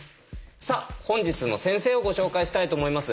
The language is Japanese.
さあ本日の先生をご紹介したいと思います。